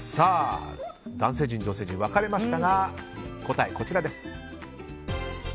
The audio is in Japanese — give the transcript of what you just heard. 男性陣、女性陣分かれましたが答えはこちらです。